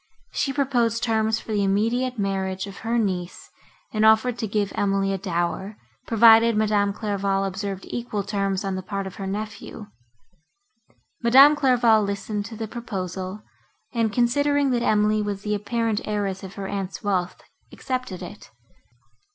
She proposed terms for the immediate marriage of her niece, and offered to give Emily a dower, provided Madame Clairval observed equal terms, on the part of her nephew. Madame Clairval listened to the proposal, and, considering that Emily was the apparent heiress of her aunt's wealth, accepted it.